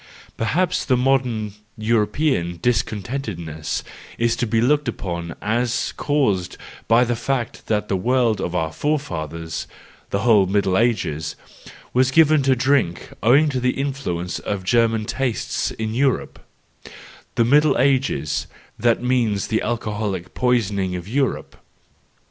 Perhaps the modern, European discontentedness is to be looked >74 the joyful wisdom, III upon as caused by the fact that the world of our forefathers, the whole Middle Ages, was given to drink, owing to the influence of German tastes in Europe: the Middle Ages, that means the alcoholic poisoning of Europe.